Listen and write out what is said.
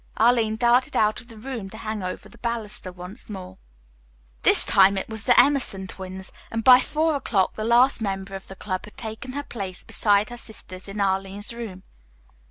Arline darted out of the room to hang over the baluster once more. This time it was the Emerson twins, and by four o'clock the last member of the club had taken her place beside her sisters in Arline's room.